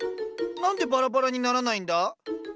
何でバラバラにならないんだ？